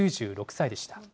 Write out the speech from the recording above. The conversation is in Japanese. ９６歳でした。